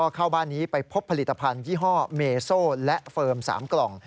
เข้าบ้านนี้ไปพบผลิตภัณฑ์ยี่ห้อเมโซ่และเฟิร์ม๓กล่อง